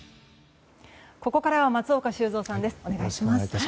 ここからは松岡修造さんです。